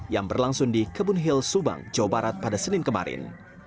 yang berlangsung di kebun hill subang jawa barat pada senin kemarin